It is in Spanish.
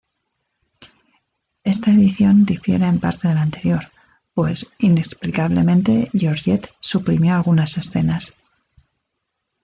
Esta edición difiere en parte de la anterior, pues inexplicablemente Georgette suprimió algunas escenas.